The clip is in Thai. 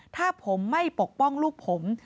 ถ้าผมไม่ปกป้องลูกผม